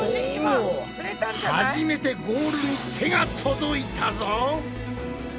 お初めてゴールに手が届いたぞ。